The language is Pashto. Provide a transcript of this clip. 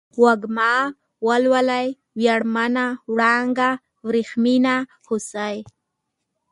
وږمه ، ولوله ، وياړمنه ، وړانگه ، ورېښمينه ، هوسۍ